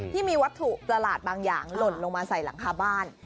ที่มีวัตถุประหลาดบางอย่างหล่นลงมาใส่หลังคาบ้าน